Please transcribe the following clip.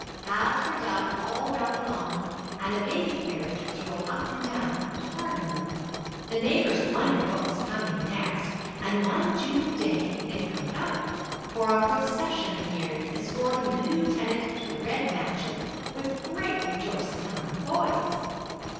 Paths were dug all round the lawn, and a baby carriage was rolled up and down to harden them. The neighbors wondered what was coming next, and one June day they found out; for a procession appeared, escorting the new tenant to the red mansion, with great rejoicing among the boys.